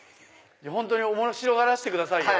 本当に面白がらせてくださいよ。